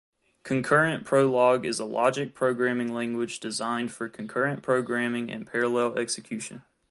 Concurrent Prolog is a logic programming language designed for concurrent programming and parallel execution.